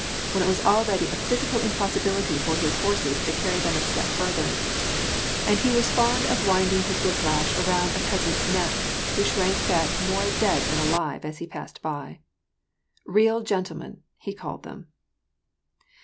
" when it was already a physical impossibility for his horses to carry them a step farther ; he was fond of winding his whiplash around a peas ant's neck, who shrunk back more dead than alive as he passed by. " Real gentlemen " he called them